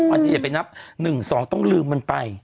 อันนี้อย่าไปนับ๑๒ต้องลืมมันไป